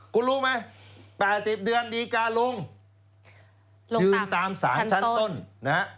คุณรู้มั้ย๘๐เดือนดีกาลงยืนตามสารชั้นต้น